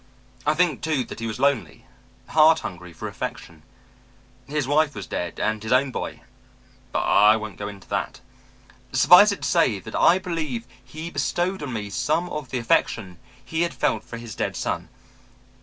I think, too, that he was lonely, heart hungry for affection. His wife was dead, and his own boy.... But I won't go into that. "Suffice it to say that I believe he bestowed on me some of the affection he had felt for his dead son.